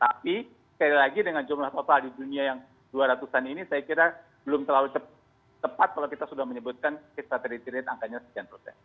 tapi sekali lagi dengan jumlah total di dunia yang dua ratus an ini saya kira belum terlalu cepat kalau kita sudah menyebutkan case fatality rate angkanya sekian persen